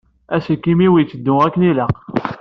Aselkim-iw iteddu akken ilaq.